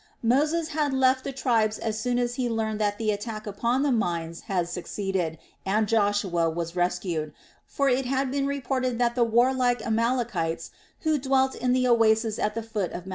Moses had left the tribes as soon as he learned that the attack upon the mines had succeeded and Joshua was rescued; for it had been reported that the warlike Amalekites, who dwelt in the oasis at the foot of Mt.